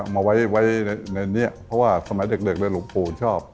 มาไว้ในนี้เพราะว่าสมัยเด็กเลยหลวงปู่ชอบ